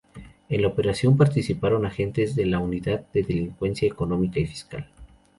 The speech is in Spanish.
En la operación participaron agentes de la Unidad de Delincuencia Económica y Fiscal.